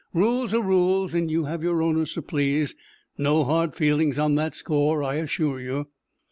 "Rules are rules, and you have your owners to please. No hard feelings on that score, I assure you."